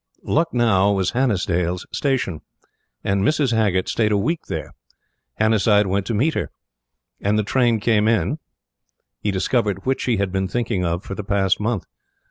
Lucknow was Hannasyde's station, and Mrs. Haggert stayed a week there. Hannasyde went to meet her. And the train came in, he discovered which he had been thinking of for the past month.